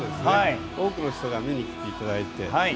多くの人が見に来ていただいて。